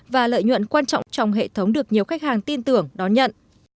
và lợi nhuận quan trọng trong hệ thống được nhiều khách hàng tin tưởng đón nhận